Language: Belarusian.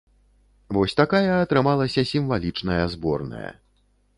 Вось такая атрымалася сімвалічная зборная.